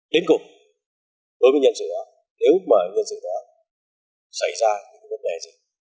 đến cùng đối với nhân sự đó nếu mà nhân sự đó xảy ra những vấn đề gì